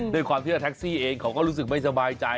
ด้วยความที่ว่าแท็กซี่เองเขาก็รู้สึกไม่สบายใจ